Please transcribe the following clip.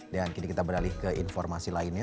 dan kini kita beralih ke informasi lainnya